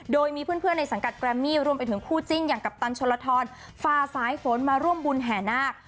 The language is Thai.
โดยมีเพื่อนในสังกัดแกรมมี่รวมไปถึงคู่จิ้นอย่างกัปตันชนลทรฝ่าสายฝนมาร่วมบุญแห่นาค